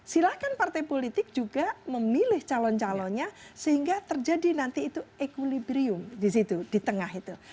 silahkan partai politik juga memilih calon calonnya sehingga terjadi nanti itu equilibrium di situ di tengah itu